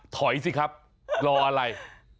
สิครับรออะไร